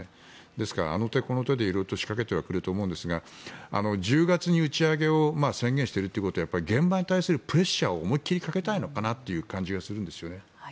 ですからあの手この手で色々と仕掛けてくるとは思いますが１０月に打ち上げを宣言しているということは現場に対するプレッシャーを思いっきりかけたいのかなという感じがするんですね。